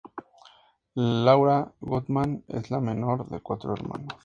Laura Gutman es la menor de cuatro hermanos.